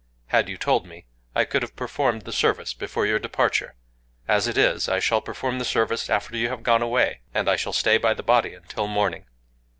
Had you told me, I could have performed the service before your departure. As it is, I shall perform the service after you have gone away; and I shall stay by the body until morning.